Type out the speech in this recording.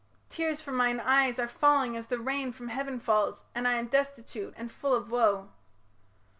Tears from mine eyes Are falling as the rain from heaven falls, And I am destitute and full of woe.